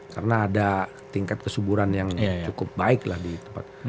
karena ada tingkat kesuburan yang cukup baik lah di tempat